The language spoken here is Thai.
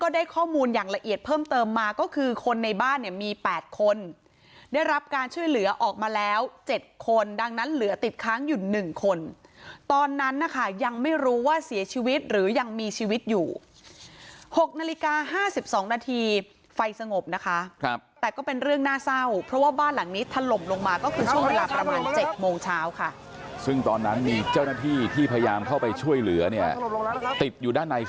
ได้รับการช่วยเหลือออกมาแล้ว๗คนดังนั้นเหลือติดค้างอยู่๑คนตอนนั้นนะคะยังไม่รู้ว่าเสียชีวิตหรือยังมีชีวิตอยู่๖นาฬิกา๕๒นาทีไฟสงบนะคะแต่ก็เป็นเรื่องน่าเศร้าเพราะว่าบ้านหลังนี้ถล่มลงมาก็คือช่วงเวลาประมาณ๗โมงเช้าค่ะซึ่งตอนนั้นมีเจ้าหน้าที่ที่พยายามเข้าไปช่วยเหลือเนี่ยติดอยู่